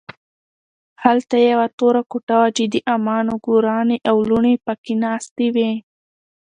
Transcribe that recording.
هلته یوه توره کوټه وه چې د عمه نګورانې او لوڼې پکې ناستې وې